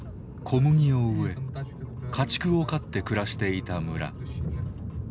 小麦を植え家畜を飼って暮らしていた村。